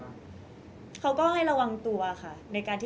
มิวยังมีเจ้าหน้าที่ตำรวจอีกหลายคนที่พร้อมจะให้ความยุติธรรมกับมิว